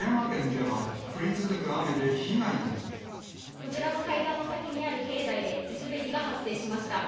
こちらの階段の先にある境内で地滑りが発生しました。